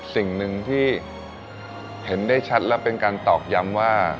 สิ่งหนึ่งที่เห็นได้ชัดและเป็นการตอกย้ำว่า